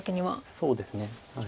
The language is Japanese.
そうですね。